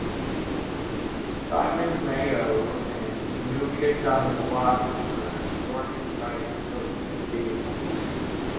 Simon Mayo and New Kids on the Block member Jordan Knight hosted the event.